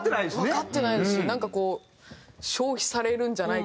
わかってないですしなんかこう。